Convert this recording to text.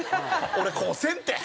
俺こうせんって！